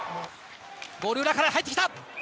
ゴール裏から入ってきた。